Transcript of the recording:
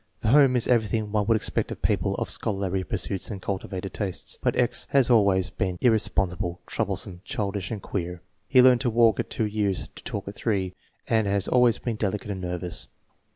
The home is everything one would expect of people of scholarly pursuits and cultivated tastes. But X has always been irresponsi ble, troublesome, childish, and queer. He learned to walk at 2 years, to talk at 3, and has always been delicate and nervous.